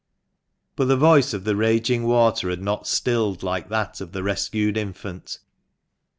But the voice of the raging water had not stilled like that of the rescued infant.